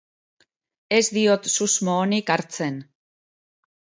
Ez diot susmo onik hartzen.